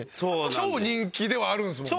超人気ではあるんですもんね。